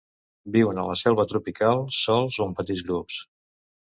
Viuen en la selva tropical, sols o en petits grups.